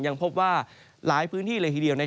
ยังพบว่าหลายพื้นที่เลยทีเดียว